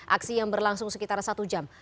aksi yang berlangsung sekitar satu jam